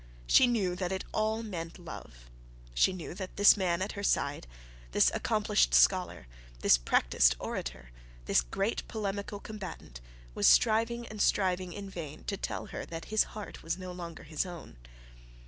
She knew that it all meant love. She knew that this man at her side, this accomplished scholar, this practised orator, this great polemical combatant, was striving and striving in vain to tell her that his heart was no longer his own.